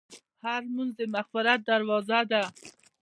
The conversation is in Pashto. هره لمونځ د مغفرت دروازه ده.